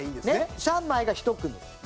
３枚が１組。